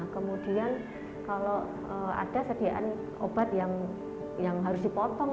kemudian kalau ada sediaan obat yang harus dipotong